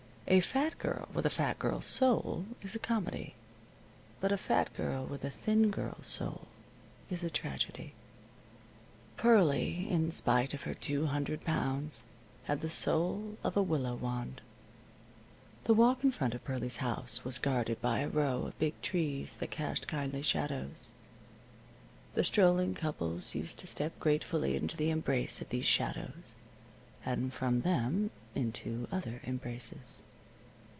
A fat girl with a fat girl's soul is a comedy. But a fat girl with a thin girl's soul is a tragedy. Pearlie, in spite of her two hundred pounds, had the soul of a willow wand. The walk in front of Pearlie's house was guarded by a row of big trees that cast kindly shadows. The strolling couples used to step gratefully into the embrace of these shadows, and from them into other embraces.